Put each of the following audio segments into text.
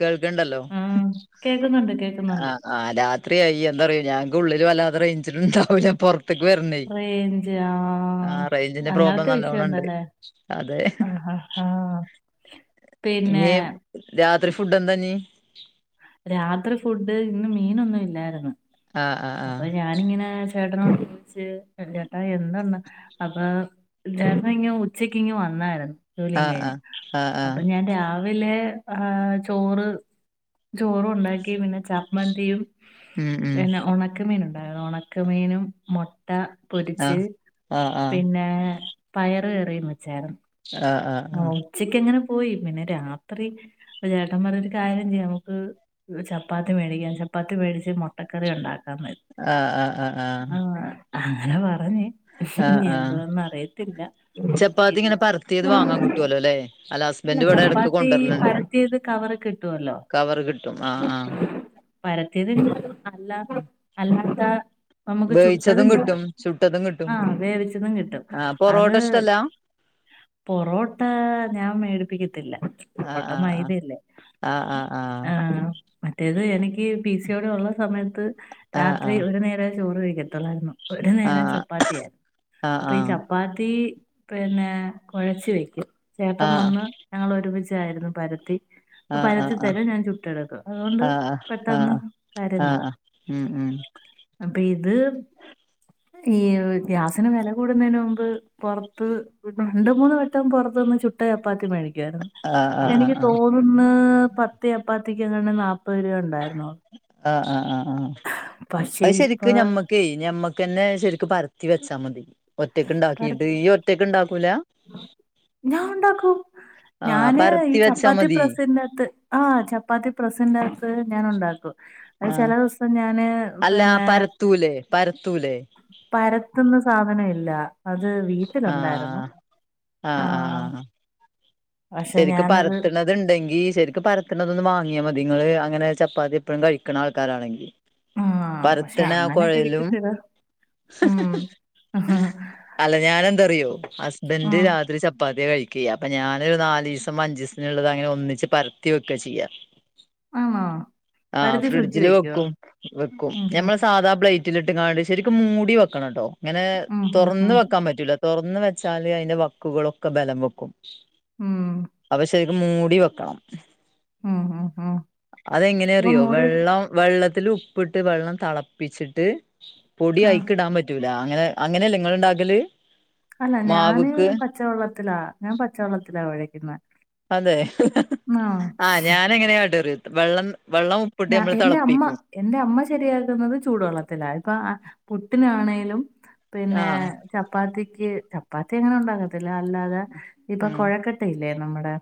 കേൾക്ക്ണ്ടല്ലോ ആ കേൾക്കുന്നുണ്ട് കേൾക്കുന്നുണ്ട് ആഹ് ആഹ് രാത്രിയായി എന്താറിയൊ ഞങ്ങക്ക് ഉള്ളില് വല്ലാത റയ്ഞ്ച്ട്ട്ണ്ടാവുല പൊറ റേഞ്ച് ആഹ് റേഞ്ചിന്റെ പ്രോബ്ലം അങ്ങനത്തെ നല്ലോണം ഉണ്ട് വിഷയുണ്ടല്ലേ അതെ ആഹ് ഹ ഹാ [inaudible] പിന്നേ ഇനി രാത്രി ഫുഡ് എന്താഞ്ഞ് രാത്രി ഫുഡ് ഇന്ന് മീനൊന്നും ഇല്ലായിരുന്നു ആഹ് ആഹ് അപ്പൊ ഞാനിങ്ങനെ ചേട്ടനും വിളിച്ച് ചേട്ടാ എന്താ ഇന്ന് അപ്പ ചെട്ടനിങ് ഉച്ചക്ക് ഇങ് വന്നായിരുന്നു ജോലിയും ആഹ് കഴിഞ്ഞ് ആഹ് ആഹ് ആഹ് ആഹ് അപ്പൊ ഞാൻ രാവി വിലെ ആഹ് ചോറ് ചോറും ഉണ്ടാക്കി പിന്നെ ചമ്മന്തിയും ഉം ഉം പിന്നെ ഒണ ക്ക മീന് ഉണ്ടായിരുന്നു ഉണക്കമീനും മുട്ട പൊരിച്ച് ആഹ് ആഹ് പിന്നെ പയറ് കയറിം വെച്ചായിരുന്നു ആഹ് ആഹ് ആഹ് ഉച്ചക്ക് അങ്ങനെ പോയി പിന്നെ രാത്രി ചേട്ടൻ പറഞ്ഞു ഒരു കാര്യം ചെയ്യാ നമുക്ക് ചപ്പാത്തി മേടിക്കാ ചപ്പാത്തി മേടിച്ച് മുട്ടക്കറി ഉണ്ടാക്കാന്ന് ആഹ് ആഹ് ആഹ് ആഹ് അങ്ങനെ പറഞ് ആഹ് ഇനി ആഹ് എന്താന്ന് അറിയത്തില്ല ത്തിയത് വാങ്ങാ കിട്ടുല്ലോലെ അല്ല ഹസ്ബന്റ് ഇവിടെ എടക്ക് കൊണ്ട് ഈ പരത്തിയത് കവറിൽ കിട്ടുല്ലോ കവറിൽ കിട്ടും ആഹ് ആഹ് പരത്തിയത് അല്ലത്ത അല്ലാത്ത നമുക്ക് വേവിച്ചതും ചുട്ടതും കിട്ടും ചുട്ടതും കിട്ടും ആഹ് വേവിച്ചതും കിട്ടും ആഹ് അത് പൊറോട്ട ഇഷ്ടല്ല പൊറോട്ട ഞാൻ മേടിപ്പിക്കത്തില്ല ആഹ് പൊറോട്ട ആഹ് ആഹ് മൈദല്ലേ ആഹ് ആഹ് ആഹ് മറ്റേത് എനിക്ക് പിസിയോടി ഉള്ള സമയത്ത് രാത്രി ആഹ് ഒരു നേരെ ചോറ് കഴിക്കത്തോള്ളായിരുന്നു ഒരു നേരം ആഹ് ചപ്പാത്തിയാ ആഹ് അപ്പൊ ഈ ചപ്പാത്തി പിന്നെ കോഴച്ച്‌ വെക്കും ചേട്ടം ആഹ് വന്ന് ഞങ്ങള് ഒരുമിച്ചായിരുന്നു പരത്തി അപ്പൊ ആഹ് ആഹ് പരത്തി ആഹ് തരും ഞാൻ ചുട്ടെടുക്കും അതുകൊണ്ട് ആഹ് ആഹ് പെട്ടെന്ന് ആഹ് കാര്യം നട ആഹ് ഉം ഉം അപ്പ ഇത് ഈ ഗ്യാസിന് വില കൂടുന്നതിന് മുമ്പ് പോർത്ത് രണ്ട്, മൂന്ന് വട്ടം പുറത്ത്ന്ന് ചുട്ട ചപ്പാത്തി മേടിക്കുയിരുന്നു ആഹ് ആഹ് എനിക്ക് ആഹ് ആഹ് തോ ന്ന് പത്ത് ചപ്പാത്തിക്കങ്ങാനും നാപ്പത് രൂപ ഉണ്ടായിരുന്നു ആഹ് ആഹ് ആഹ് പക്ഷെ അത് ഇപ്പൊ ശെരിക്കും ഞമ്മക്കേ ഞമ്മക് ന്നെ ശെരിക്കും പരത്തി വെച്ചാ മതി ഒറ്റക്ക് പര ഇണ്ടാക്കിട്ട് ഈ ഒറ്റയ്ക്ക് ഇണ്ടാക്കൂല? ഞാൻ ഇണ്ടാക്കും ആഹ് ഞാന് ഈ പരത്തി വെച്ചാ ചപ്പാത്തി മതി പ്രസിന്റെ അകത്ത് ആഹ് ചപ്പാത്തി പ്രസിന്റെ അകത്ത് ഞാൻ ഇണ്ടാക്കും അത് ആഹ് ചെല ദിവസം ഞാന് അല്ല പിന്നെ പരത്തൂലേ പരത്തൂലേ പരത്തുന്ന സാധനെ ഇല്ല അത് വീട്ടിലുണ്ടായിരുന്നു ആഹ് ആഹ് ആഹ് പക്ഷെ ശെരിക്കും ഞാനത് പരത്ത്ണ അത്ണ്ടെങ്കി ശെരിക്കും പരത്തുന്നതൊന്ന് വാങ്ങിയാ മതി ഇങ്ങള് അങ്ങനെ ചപ്പാത്തി എപ്പഴും കഴിക്ണ ആൾക്കാരാണെങ്കില് ആഹ് പക്ഷെ പരത്ത്ണ ആഹ് അങ്ങനെ കോഴലും കഴിക്കത്തില്ല ഉം അല്ല ഞാൻ എന്താറിയോ ഹസ്ബന്റ് ഉം രാത്രി ചപ്പാത്തിയാ കഴിക്കെ അപ്പ ഞാന് നാല് ദിവസം അഞ്ച ദിവസത്തിന് അങ്ങനെ ഒന്നിച്ച് പരത്തിവെക്ക ചെയ്യാ ആണോ ആഹ് പരത്തി ഫ്രിഡ്ജ് ഫ്രിഡ്ജില് വെക്കുവോ വെക്കും വെക്കും ഉം ഞമ്മള് സാധാ പ്ല റ്റിലിട്ട് കാണ്ട് ശെരിക്കും മൂടി വെക്കണട്ടോ ഇങ്ങനെ ഉം ഉം തോറന്ന് ഉം വെക്കാൻ പറ്റൂല തോറന്ന് വെച്ചാല് അയ്ന്റെ വക്കുകളൊക്കെ ബലം വെക്കും ഉം അപ്പം ശെരിക്ക് മൂടി വെക്കണം ഉം ഉം ഉം അതെങ്ങനെ അപ്പൊ അറിയോ മൂടി വെള്ളം വെള്ളത്തില് ഉപ്പിട്ട് വെള്ളം തെളപ്പിച്ചിട്ട് പൊടി ആഹ് അയിക്കിടാൻ പ പറ്റൂല അങ്ങനെ അങ്ങനെയല്ല നിങ്ങള് ഉണ്ടാക്കല് അല്ല ഞാന് പച്ചവെള്ളത്തിലാ ഞാൻ പച്ചവെള്ളത്തിലാ കൊഴക്കുന്ന അതെ ആഹ് ഞാന് എങ്ങനെയട്ട്റിയ വെള്ളം വെള്ളം ഉപ്പ് ഇട്ട് ഞാ നമ്മൾ എന്റെ അമ്മ തിളപ്പിക്കും എന്റെ അമ്മ ശരിയാക്കുന്നത് ചൂടുവെള്ളത്തിലാ ഇപ്പൊ പുട്ടിനാണേലും പിന്നെ ആഹ് ചപ്പാത്തിക്ക് ചപ്പാത്തി അങ്ങനെ ഉണ്ടാക്കത്തില്ല അല്ലാതെ ഇപ്പൊ ഉം കൊഴക്ക ല്ലേ നമ്മുടെ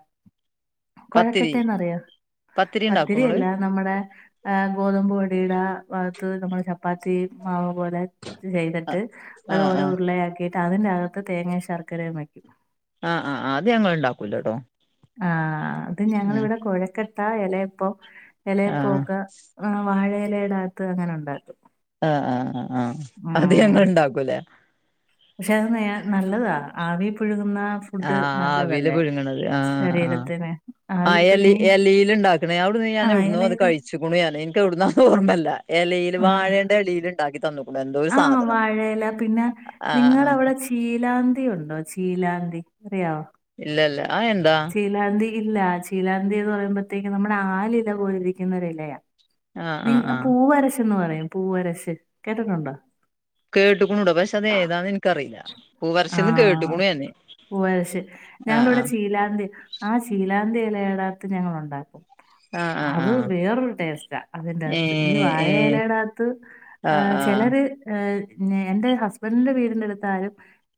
പത്തിരി കുഴക്കെട്ടന്നറിയോ പത്തിരി ഉണ്ടാക്കും ഇങ്ങള് പത്തിരിയല്ല നമ്മുടെ ഗോതമ്പ് പൊ ടിടെ ഭാഗത്ത് നമ്മൾ ചപ്പാത്തി മാവും തു പോലെ ആഹ് ചെയ്തിട്ട് അത് ആഹ് ഓരോ ഉരുളയാക്കിയിട്ട് അതിന്റെകത്ത് തേങ്ങയും ശർക്കരയും വയ്ക്കും ആഹ് ആഹ് ആഹ് അത് ഞങ്ങൾ ഉണ്ടാക്കൂലട്ടോ ആഹ് അത് ഉം ഞങ്ങളിവിടെ കൊഴക്ക ട്ട ഇലയപ്പം ഇലയപ്പോ ആഹ് ഒക്കെ ആ വാഴ ഇലയുടെ അകത്ത് അങ്ങനെ ഉണ്ടാക്കും ആഹ് ആഹ് ആഹ് ആഹ് അത് ഞങ്ങ ഉം ഉണ്ടാക്കൂലേ പക്ഷെ അത് നേ നല്ലതാ ആവിൽ പുഴുങ്ങുന്ന ഫുഡ് ആഹ് ആവിൽ നല്ലതല്ലേ പുഴുങ്ങണത് ആഹ് ആഹ് ശരീരത്തിന് ആ ആവി ഹ് എലി പുഴുങ്ങി എലിൽ ഉണ്ടാക്കും ഞാൻഅവിടുന്ന് ഞാന ആഹ് ഇവിടന്നോഅത് എലയുടെ കഴിച്ചു ചേക്കണു ഞാന് എനിക്ക് എവിടുന്നന്ന് ഓർമ്മല്ല ഇലയിൽ ആഹ് വാഴേയുടെ ഇലയിൽ ഉണ്ടാക്കി തന്നു ആഹ് വാഴ എല പിന്നെ ആഹ് ആഹ് നിങ്ങവിടെ ചീലാന്തി ഉണ്ടോ ചീലാന്തി അറിയോ ഇല്ലല്ലേ ആ എന്താ ചീലാന്തി ഇല്ല ചീലാന്തി എന്ന് പറയ്പോഴത്തേക്കും നമ്മുടെ ആലില പോലിരിക്കുന്ന ഒരി ഇലയ ആഹ് നി ആഹ് ആഹ് പൂവരശന്ന് പറയും പൂവരശ് എന്ന് പറയും കേട്ടിട്ടുണ്ടോ കേട്ടക്കണൂടാ പക്ഷെ അത ഏതാന്ന് എനിക്കറിയില്ല പൂ വർ ശ്ന്ന് കേട്ടു ക്കുണു എന്നന്നെ പൂവർ ശ് ഞങ്ങളിവിടെ ചീലാന്തി ആഹ് ശീലാന്തി ഇലയുടെ അകത്ത് ഞങ്ങള് ഉണ്ടാക്കും ആഹ് ആഹ് ആഹ് അത് ആഹ് വേറൊരു ടേസ്റ്റാ അതിന്റെ ന്നകത്ത് ഈ ഏഹ് വാഴ ഏഹ് ഇലയുടെ അകത്ത് ആഹ് ചിലര് ഏ എന്റെ ഹസ്ബൻഡറിന്റെ വീടിന്റെ അടുത്താലും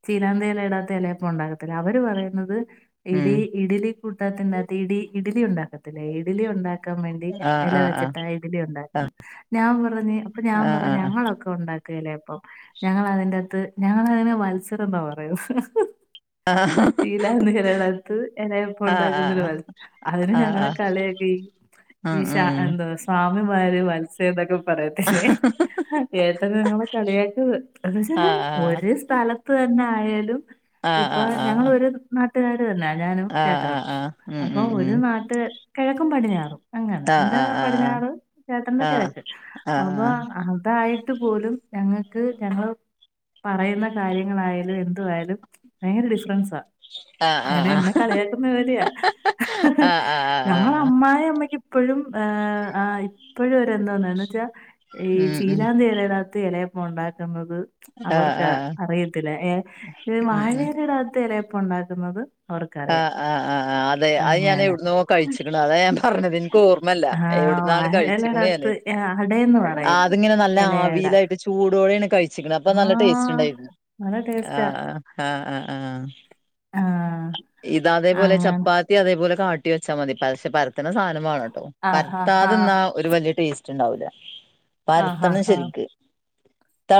ചീലാന്തി ഇല ഇടാത്ത ഇല അപ്പം ഉണ്ടാക്കിതരും അവര് പറയുന്നത് ഉം ഇടി ഇഡലി കൂട്ടാത്തിനകത്ത് ഇടി ഇഡലി ഉണ്ടാക്കത്തില്ലേ ഇഡലി ഉണ്ടാക്ക ക്കാൻ വേണ്ടി ആഹ് ഇല ആഹ് ആഹ് വെച്ചിട്ട് ഇതില ഉണ്ടാക്കുന്നു ഞാൻ പറഞ്ഞഞ് അപ്പൊ ഞാൻ പറ ആഹ് ഞങ്ങളൊക്കെ ഉണ്ടാക്കുന്നു ത്തേല്ലപ്പം ഞങ്ങള അതിന്റെത്ത് ഞങ്ങളതിനെ മത്സരം എന്താ പറയ ആഹ് ഹ [unintelligible] എല അപ്പം ഉണ്ടാക്കുന്ന ഒരു മത്സരം അതിന് ആഹ് ഞങ്ങളെ ആഹ് കളിയാക്കി ആഹ് ഉം ഈ ഉം എന്താ സ്വാമിമാര് വത്സം എന്തൊക്കെ പറയത്തില്ലെ ഏട്ടൻ ഞങ്ങളെ കളിയാക്കിയത് എന്ത് വച്ചാ എന്നാ ഒരു സ്ഥലത്ത് തന്നെ ആയാലും ഇപ്പൊ ഞങ്ങ ൾഒരു നാട്ടുകാര് തന്നാ ഞാനും ചേട്ടനും അപ്പൊ ഒരു നാട്ട് കിഴക്കും പടിഞ്ഞാറും അങ്ങന്നെ ആഹ് എന്റെ ആഹ് ആഹ് പടിഞ്ഞാറ് ചേട്ടന്റെ ആഹ് കിഴക്ക് അപ്പൊ ആഹ് അതായിട്ട് പോലും ഞങ്ങൾക്ക് ഞങ്ങള് പറയുന്ന കാര്യങ്ങളായാലും എന്തു വായാലും ഭയങ്കര ഡി ഫ്രെൻസാ ആഹ് ആഹ് ആഹ് ഉം ഉം ഉം ആഹ് ആഹ് ആഹ് ആഹ് ആഹ് ആഹ് ആഹ് ആഹ് അങ്ങനെ എന്നെ കളിയാക്കുന്ന ജോലിയാ ആഹ് ആഹ് ആഹ് ആഹ് ഞങ്ങടെ ആഹ് അമ്മായി അമ്മയ്ക്ക് ഇപ്പഴും ആ ഇപ്പോഴും എന്തോന്നന്ന് വെച്ചാ ഈ ഉം ഉം ചീലാന്തി ഇലതിനകത്ത് ഇലയപ്പ ഉണ്ടാക്കുന്നത് ആഹ് അവർക്ക് ആഹ് അറിയത്തില്ല ഏ ഉം വാഴ ഉം ഇലയുടെ അകത്ത് ഇലയപ്പം ഉണ്ടാക്കുന്നത് അവർക്കറിയാം ആഹ് ആഹ് ആ ഹ്ആഹ് അതെ അത് ഞാൻ അങ്ങനെ എവിടന്ന് കഴിച്ചിക്കണ അതാ ഞാൻ പറഞ്ഞതിനിക്ക് ഓർമ്മല്ല ആ എവിടു വാഴയിലയുടെ കഴിച്ചൊണ്ട് ഞാന് അകത്ത് ഏ, അടയെന്ന് പറയും അതിങ്ങനെ നല്ല ഇലയട ആവിലായിട്ട് ചൂടോടെയാണ് കഴിച്ച ചിക്കന അപ്പ ആ നല്ല ടേസ്റ്റ് ഉണ്ടായിരുന്നു നല്ല ടേസ്റ്റാ ആഹ് ആഹ് ആഹ് ആഹ് ആഹ് ഇത അതേപോലെ ചപ്പാത്തി അതേപോലെ കാട്ടി വച്ചാ മതി പക്ഷെ പരത്തിന സാധനമാണോ ആ ഹാ ഹാ പരത്താതെന്നാ ഒരു വല്യ ടേസ്റ്റ് ഇണ്ടാവൂല ആ ഹാ പരത്തണം ഹാ ശരിക്ക്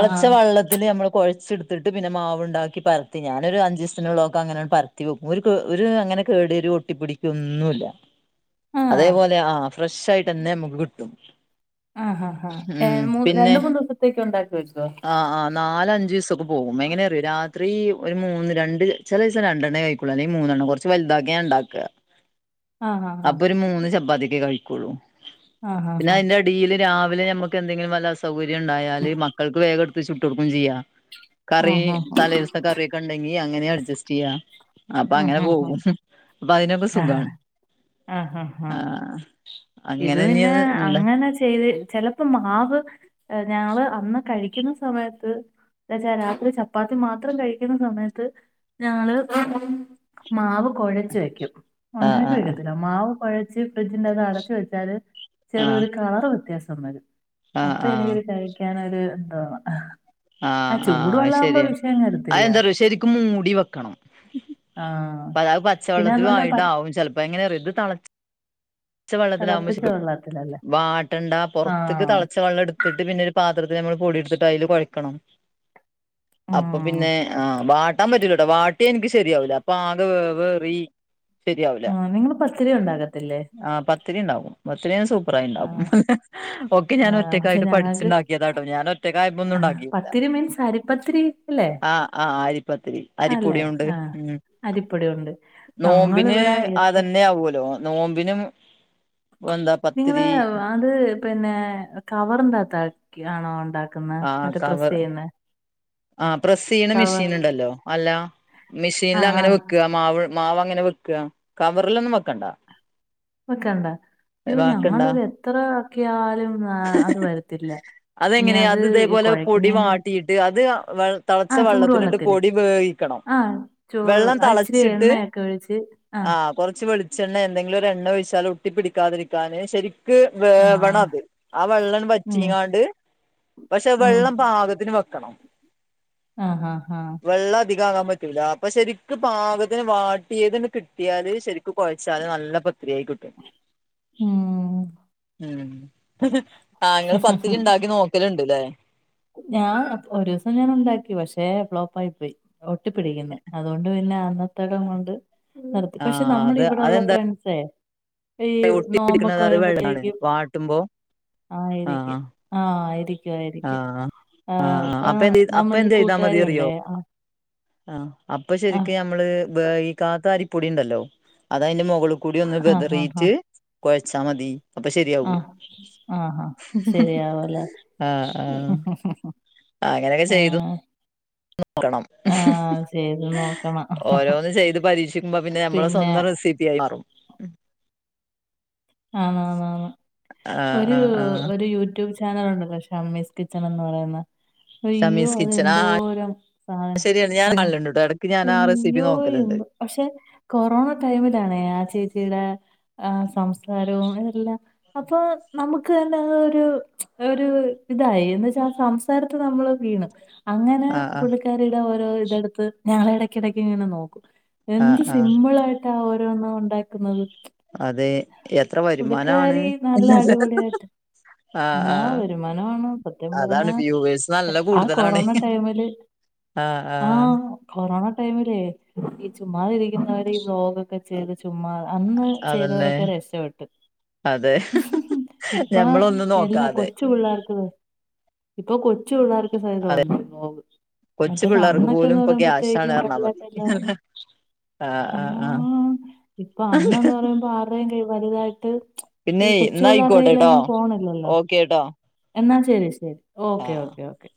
ആ വെള്ളത്തിൽ നമ്മള് കൊഴച്ചെടു ത്തിട്ട് പിന്നെ മാവ് ഇണ്ടാക്കി പറത്തി ഞാനൊരു അഞ്ചിസ്റ്റനുള്ളള്ളൊക്കെ അങ്ങനെ പരത്തി ഒര് ഒരു അങ്ങനെ കേട് ഒരു ഒട്ടിപ്പിടിക്കൊന്നുല്ല ആ അതേപോലെ ആഹ് ഫ്രഷായിട്ട് തന്നെ നമുക്ക് കിട്ടും ആഹ് ആഹ് ഉം ആഹ് മ പിന്നെ രണ്ട് മൂന്ന് ദിവസത്തേക്ക് ഉണ്ടാക്കി വക്കോ നാല് അഞ്ചു ദിവസൊക്കെ പോകും എങ്ങനെ അറിയും രാത്രി ഒരു മൂന്ന് രണ്ട് ചെല ദിവസം രണ്ട് ണ്ണ കഴിക്കേഒള്ളു അല്ലെ മൂന്നെണ്ണം കൊറച്ച് വലുതാക്കിഞാൻ ഇണ്ടാക്ക ആ ഹാ ഹാ അപ്പൊ ഒരു മൂന്ന് ചപ്പാത്തിയൊക്കെ കഴിക്ക ആ ഹാ പിന്നെ ഹാ അതിന്റെ എടീല് രാവിലെ നമ്മുക്ക് എന്തെങ്കിലും വല്ല അസു സൗകര്യം ഉണ്ടായാല് മക്കൾക്ക് വേഗം എടുത്ത് ചുട്ട് കൊടുക്കും ചെയ്യ കറി ഉം ഹും ഹും. തല കറിയൊക്കെണ്ടെങ്കി അങ്ങനെ അഡ്ജസ്റ്റ് ചെയ്യാം അപ്പൊ ഉം അങ്ങനെ ഹും ഹും. പോകും അപ്പൊ അതിനൊക്കെ ആ ഹാ സുഖാണ് ഹാ ആ ഹാ ഹാ ആ ആ ഹാ ഹാ ആഹ് ഇത് പിന്നെ അങ്ങനെ ചെയ്ത് ചെല ഇപ്പൊ മാവ് ഞങ്ങള് അന്ന് കഴിക്കുന്ന സമയത്ത് എന്താച്ചാ രാത്രി ചപ്പാത്തി മാത്രം കഴിക്കുന്ന സമയത്ത് ഞങ്ങള് മാവ് കൊഴച്ച് വെക്കും ആ ഉണ്ടാക്കി ആ വെക്കത്തില്ല മാവ് കുഴച്ച് ഫ്രിഡ്ജിന്റെ അക ത്ത്അടച്ച് വെച്ചാല് ആ ആ ചെറിയൊരു കളർ വ്യത്യാസം വരും ആ അപ്പൊ എനിക്കൊരു ആ കഴിക്കാനൊരു എന്താേണ് ആഹ് ആത് ശരിയാണ് ആത് വരത്തില്ല എന്താറിയൊ ശരിക്കും മൂടി വെക്കണം ആഹ് അപ്പൊ അത് പിന്നെ അതുപോലെ പ പച്ചവെള്ളത്തിലായിട്ടാവും ചെലപ്പോ എങ്ങനെറിയൊ ഇത് തെളച്ച തിളപ്പിച്ച വെള്ളത്തിലാവുമ്പോ വെള്ളത്തിലല്ലേ വാട്ടണ്ട പൊറത്ത്ക്ക് ആഹ് തിളച്ച വെള്ളം എടു ത്തിട്ട് പിന്നെ ഒരു പാത്രത്തിൽ നമ്മൾ പൊടി എടുത്തിട്ട് അതിൽ കുഴയ്ക്കണം അപ്പൊ ഉം പിന്നെ ആഹ് ബാ വാ ട്ടാൻ പറ്റൂലട്ടോ വാട്ടിയ എനിക്ക് ശരിയാവൂല അപ്പൊ ആകെ വേ വേ റി ആഹ് നിങ്ങള് പത്തിരി ഉണ്ടാക്കത്തില്ലേ ആഹ് പത്തിരി ഉണ്ടാക്കും പ ത്തിരിഞാൻ സൂപ്പറായി ഇണ്ടാക്കും ആഹ് ഓക്കെ ഞാൻ ആഹ് പക്ഷെ ഒറ്റയ്ക്കായിട്ട് ഞങ്ങൾക്ക് പഠിച്ചിണ്ടാക്കിയതാട്ടോ ഞാൻ ഒറ്റക്കായ ആഹ് ഒന്നുണ്ടാക്ക പത്തിരി മീൻസ് അരിപ്പത്തിരി അല്ലേ ആഹ് ആഹ് അരിപ്പത്തിരി അല്ലെ അരിപ്പൊടിയോണ്ട് ആഹ് ഉം അരിപ്പൊടികൊണ്ട് ഞങ്ങൾ ഇവിടെ അതന്നെയ ആവുല്ലോ നോമ്പിനും എന്താ നിങ്ങള് പത്തിരി അത് പിന്നെ കവർണ്ടാത്താക്കി ആണോ ഉണ്ടാ ആഹ് മറ്റേ പ്രസ് കവർ ചെയ്യുന്നെ ആഹ് പ്രസ്സ് ചെയ്യണ കവർ മെഷീൻ ഉണ്ടല്ലോ അല്ല മെഷീനിൽ ആഹ് അങ്ങനെ ആഹ് വെക്ക വെക്ക മാവ് മാവ് അങ്ങനെ വെക്ക കവറിലൊന്നും വെക്കണ്ട വെക്കണ്ട അയ്യോ വാക്കണ്ടാ ഞങ്ങളിത് എത്ര ആക്കിയാലും അത് വരത്തില്ല ഇനി അതെങ്ങനെയാ അത് ഇതേപോലെ പൊടി കുഴയ്ക്കുന്നതിന്റെ വാട്ടിയിട്ട് അത് തളച്ച ആഹ് വെള്ളത്തിലിട്ട് ചൂടുവെള്ളത്തില് പൊടി വേവിക്കണം ആഹ് ചോ വെള്ളം അത് ഇച്ചിരി തിളച്ചിട്ട് എണ്ണയൊക്കെ ഒഴിച്ച് ആഹ് കൊ റച്ച് വെളിച്ചെണ്ണ എന്തെങ്കിലും ഒരു എണ്ണ ഒഴിച്ചാൽ ഒട്ടി പിടിക്കാതിരിക്കാന് ശരി ക്ക് വേവണം ആഹ് അത് ആ വെള്ളം ഉം വറ്റിങ്ങാ ണ്ട് പക്ഷെ ഉം വെള്ളം പാകത്തിന് വെക്കണം ആഹ് ആഹ് ആഹ് വെള്ളം അധികാകാൻ പറ്റൂല അപ്പൊ ശരിക്കും പാകത്തിന് വാട്ടിയതിന്ന് കിട്ടിയാല് ശരി ക്കു കുഴച്ചാല് നല്ല പത്തിരി ആയി കിട്ടും ഉം ഉം ആ ങ്ങള് പത്തിരി ഉണ്ടാക്കി നോക്കലിണ്ട്ല്ലേ ഞാൻ ഒരു ദിവസം ഞാൻ ഉണ്ടാക്കി പക്ഷേ ഫ്ലോപ്പ് ആയി പോയി ഒട്ടി പിടിക്കിന്ന് അതുകൊണ്ട് പിന്നെ അന്നത്തടം കൊണ്ട് നിർത്തി പക്ഷെ ആഹ് നമ്മളെ അത് ഇവിടെള്ള അതെന്താ ഫ്രണ്ട്സേ ഈ ഒട്ടി നോമ്പൊക്കെ പിടിക്കണത് അത് വെള്ളാണ് വരുമ്പോത്തേക്കും വാട്ടുമ്പോ ആഹ് ആയിരിക്കും ആഹ് ആയിരിക്കുവായിരിക്കും ആഹ് ആഹ് അപ്പൊ ആഹ് എന്ത് നമ്മൾ അപ്പൊ ഒരു കൂട്ടുകാരി ഉണ്ടേ ആഹ് ആ അപ്പൊ ആഹ് ശരിക്കും നമ്മള് ഈ കാക്കാരിപ്പൊടി ഉണ്ടല്ലോ അത് അതിന്റെ മുകള് കൂടി ഒന്ന് ആഹ് ആഹ് വിതറിയിട്ട് ആഹ് കുഴച്ചാ മതി അപ്പൊ ശരിയാവുവെ ആഹ് ആഹ് ശരിയാവൂല്ലേ ആഹ് ആഹ് അങ്ങനൊക്കെ ചെയ്തു ആഹ് നോക്കണം ആഹ് ചെയ്ത് നോക്കണം ഓരോന്ന് ചെയ്ത് പരീക്ഷിക്കുമ്പോ പിന്നെ നമ്മള സ്വന്തം റെസിപ്പി ആയി മാറും ആന്ന് ആന്ന് ആന്ന് ആഹ് ഒരു ആഹ് ആഹ് ഒരു യൂട്യൂബ് ചാനലുണ്ട്ല്ലൊ ഷമ്മീസ് കിച്ചൺ എന്ന് പറയുന്ന അയ്യോ ഷമീസ് അത് കിച്ചൺ ആഹ് എന്തോരം സാധന ശരിയാണ് ഞാൻ ആഹ് കാണലുണ്ട്ട്ടോ ഇടക്ക് ഞാൻ ആ റെസിപ്പി അയ്യോ നോക്കലുണ്ട് എന്തൊ പക്ഷെ കൊറോണ ടൈമിലാണേ ആ ചേച്ചിടെ ആ സംസ് സാരവും എല്ലാ അപ്പൊ നമുക്ക് തന്നെങ്ങ് ഒരു ഒരൂ ഇതായി എന്ന് വെച്ചാ സംസ് സാരത്ത് നമ്മള് വീണ് അങ്ങനെ ആഹ് ആഹ് പുള്ളിക്കാരിടെ ഓരോ ഇതെട്ത്ത് ഞങ്ങളടക്കിടക്ക് ഇങ്ങനെ നോക്കും. എന്ത് ആഹ് ആഹ് സിമ്പിൾ ആയിട്ടാ ഓരോന്നും ഉണ്ടാക്കുന്നത് അതെ എത്ര വരുമാനാണ്. പുള്ളിക്കാരി നല്ല അടിപൊളിയായിട്ട് ആഹ് ആ ആഹ് വരുമാനമാണ് സത്യം പറഞ്ഞ അതാണ് വ്യൂവേഴ്സ് നല്ല ആ കൂട്തലാണെ. കൊറോണ ടൈമില് ആഹ് ആ ആഹ് കൊറോണ ടൈമിലേ ഈ ചുമ്മാ ഇരിക്കുന്നവര് ഈ ബ്ളോഗൊക്കെ ചെയ്ത് ചുമ്മാ അന്ന് ചെയ്തവരോ അതന്നെ ക്കേ രഷപ്പെട്ട് അതെ ഇപ്പോ ഞമ്മളൊന്നും എല്ല നോക്കാതെ കൊച്ച് ച്ചു പിള്ളേർക്ക് പോ ഇപ്പൊ കൊച്ചു പിള്ളേർക്ക് സഹിതം അതെ ഉണ്ട് ബ്ലോവ് കൊച്ചു മറ്റേത് പിള്ളേർക്ക് പോലും അമ്മയ്ക്കെന്നു ഇപ്പൊ ക്യാഷാണ് പറയുമ്പത്തേക്കും പറഞ്ഞാ മതി [unintelligible] ആഹ് ആഹ ആഹ് ആഹ് ഇപ്പൊ അമ്മ പറയുമ്പോ ആരുടെയും കയ്യിൽ വലുതായിട്ട് പിന്നെ ഈ കൊച്ചു എന്നാ പിള്ളാര്ടെ ആയിക്കോട്ടെട്ടോ കയ്യിലങ്ങും ഫോണില്ലല്ലോ ഓക്കേട്ടോ എന്നാ ശരി ശരി ഓക്കെ ആഹ് ഓക്കെ ഓക്കെ